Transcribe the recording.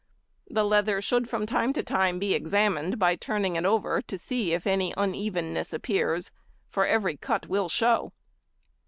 The leather should from time to time be examined, by turning it over, to see if any unevenness appears, for every cut will show.